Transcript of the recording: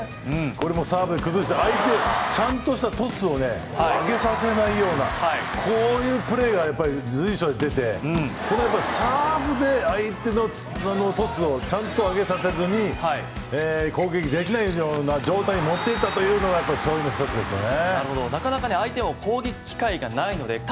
これもサーブ崩した相手ちゃんとしたトスを上げさせないようなこういうプレーはやっぱり随所出てここで相手のトスをちゃんと上げさせずに攻撃できないような状態に持っていたというのはやっぱりそういう勝因の１つですよね。